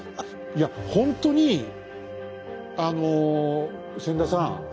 いやほんとにあの千田さん